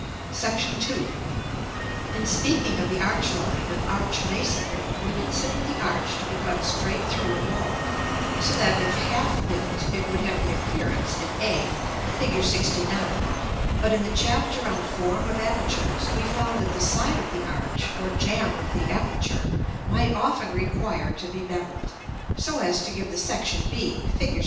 § II. In speaking of the arch line and arch masonry, we considered the arch to be cut straight through the wall; so that, if half built, it would have the appearance at a, Fig. LXIX. But in the chapter on Form of Apertures, we found that the side of the arch, or jamb of the aperture, might often require to be bevelled, so as to give the section b, Fig.